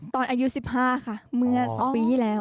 ตอนอายุ๑๕ค่ะเมื่อกัน๒ปีเยี่ยว